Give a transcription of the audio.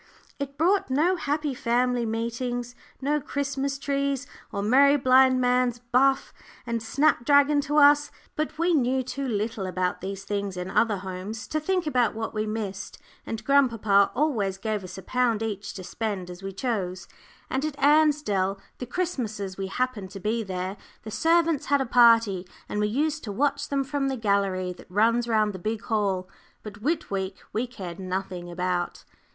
It brought no happy family meetings, no Christmas trees, or merry blind man's buff and snap dragon to us. But we knew too little about these things in other homes to think about what we missed, and grandpapa always gave us a pound each to spend as we chose. And at Ansdell, the Christmases we happened to be there, the servants had a party, and we used to watch them from the gallery that runs round the big hall. But Whit week we cared nothing about.